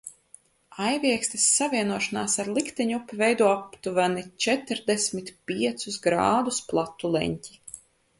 Aiviekstes savienošanās ar likteņupi veido aptuveni četrdesmit piecus grādus platu leņķi.